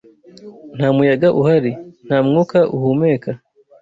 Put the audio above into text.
Nta muyaga uhari - nta mwuka uhumeka –